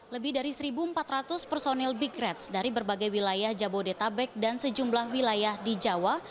lebih dari satu empat ratus personil big reds dari berbagai wilayah jabodetabek dan sejumlah wilayah di jawa